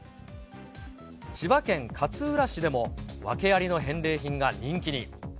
千葉県勝浦市でも、訳ありの返礼品が人気に。